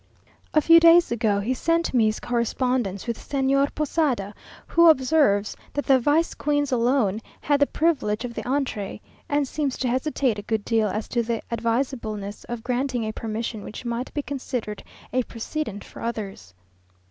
A few days ago he sent me his correspondence with Señor Posada, who observes that the vice queens alone had the privilege of the entree, and seems to hesitate a good deal as to the advisableness of granting a permission which might be considered a precedent for others.